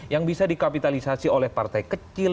yang bisa dikapitalisasi oleh partai kecil